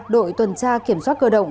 đội tuần tra kiểm soát cơ động